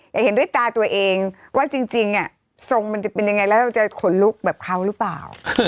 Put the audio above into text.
แต่เห็นด้วยตาตัวเองว่าจริงทรงมันจะเป็นยังไงแล้วเราจะขนลุกแบบเขาหรือเปล่า